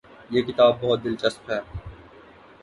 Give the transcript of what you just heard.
یہ کتاب بہت دلچسپ ہے